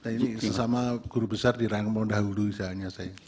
ini sesama guru besar di rangkaman dahulu seharusnya saya